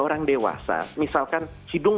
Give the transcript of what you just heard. orang dewasa misalkan hidung